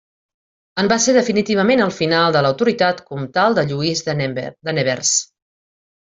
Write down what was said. En va ser definitivament el final de l'autoritat comtal de Lluís de Nevers.